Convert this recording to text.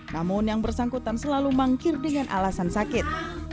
namun yang bersangkutan selalu mangkir dengan alasan sakit